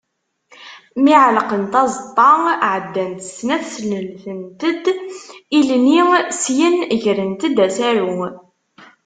Mi ɛellqent aẓeṭṭa, ɛeddant snat sneltent-d ilni syen grent-d asaru.